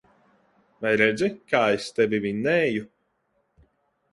Vai redzi, kā es tevi vinnēju.